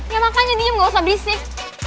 ya makanya diem ga usah berisik